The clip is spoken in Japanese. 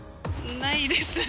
ないですね。